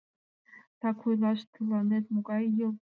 — Так ойлаш, тыланет могай йыл?!